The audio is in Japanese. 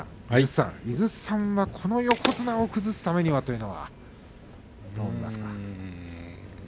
井筒さんはこの横綱を崩すためにはというのはどう見ますか。